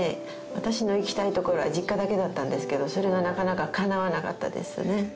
私の行きたい所は実家だけだったんですけどそれがなかなかかなわなかったですね。